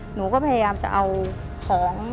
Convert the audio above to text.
หนูก็พยายามจะเอาของ